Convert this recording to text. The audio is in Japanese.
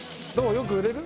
よく売れる？